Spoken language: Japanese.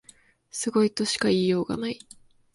すごいとしか言いようがない